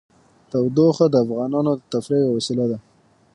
تودوخه د افغانانو د تفریح یوه وسیله ده.